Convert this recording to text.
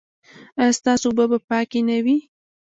ایا ستاسو اوبه به پاکې نه وي؟